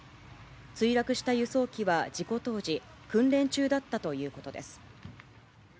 墜落した輸送機は事故当時、訓練中だったということです。